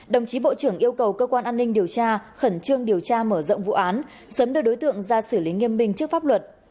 đồng chí bộ trưởng yêu cầu cơ quan an ninh điều tra khẩn trương điều tra mở rộng vụ án sớm đưa đối tượng ra xử lý nghiêm minh trước pháp luật